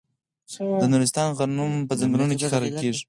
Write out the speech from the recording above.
د نورستان غنم په ځنګلونو کې کرل کیږي.